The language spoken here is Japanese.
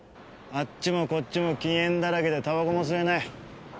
あっちもこっちも禁煙だらけでたばこも吸えない。